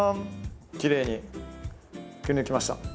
きれいにくりぬきました。